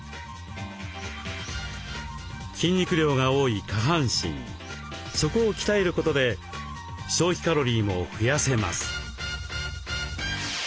筋肉量が多い下半身そこを鍛えることで消費カロリーも増やせます。